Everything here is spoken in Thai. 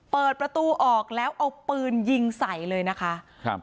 เปิดประตูออกแล้วเอาปืนยิงใส่เลยนะคะครับ